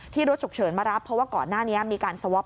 รถฉุกเฉินมารับเพราะว่าก่อนหน้านี้มีการสวอป